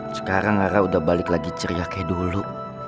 sekarang ara udah balik lagi ceria kayak dulu